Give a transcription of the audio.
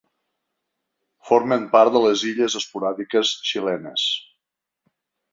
Formen part de les illes esporàdiques xilenes.